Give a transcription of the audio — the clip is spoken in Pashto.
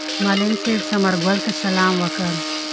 معلم صاحب ثمر ګل ته سلام وکړ.